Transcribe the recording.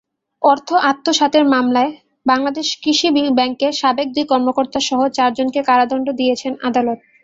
অর্থ আত্মসাতের মামলায় বাংলাদেশ কৃষি ব্যাংকের সাবেক দুই কর্মকর্তাসহ চারজনকে কারাদণ্ড দিয়েছেন আদালত।